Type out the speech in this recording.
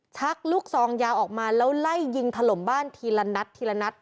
ชักลูกซองยาวออกมาแล้วไล่ยิงถล่มบ้านทีละนัดทีละนัด